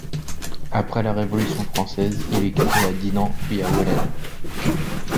Après la Révolution française, il est curé à Dinant puis à Weillen.